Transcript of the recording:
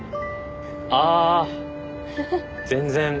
あ全然。